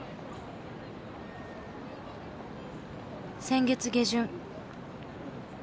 先月下旬。